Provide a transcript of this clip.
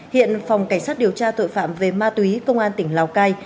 hiện phòng cảnh sát điều tra tội phạm về ma túy công an tỉnh lào cai